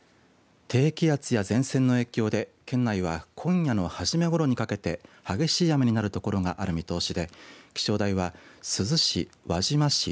低気圧や前線の影響で県内は今夜の初めごろにかけて激しい雨になる所がある見通しで気象台は珠洲市、輪島市